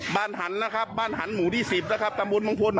บ้านหันนะครับบ้านหันหมู่ที่สิบนะครับตามวุฒิมังพุน